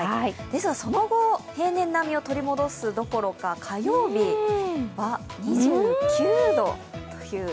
ですがその後、平年並みを取り戻すどころか火曜日は２９度という。